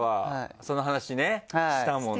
その話ねしたもんね。